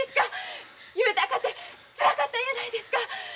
雄太かてつらかったんやないですか！